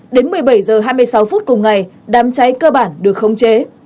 đến một mươi bảy h hai mươi sáu phút cùng ngày đám cháy cơ bản được khống chế